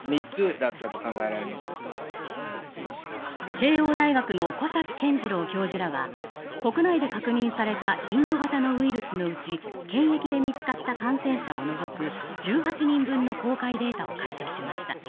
慶応大学の小崎健次郎教授らは国内で確認されたインド型のウイルスのうち検疫で見つかった感染者を除く１８人分の公開データを解析しました。